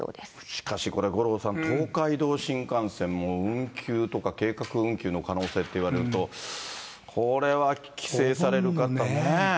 しかしこれ、五郎さん、東海道新幹線も運休とか計画運休の可能性って言われると、これは帰省される方ね。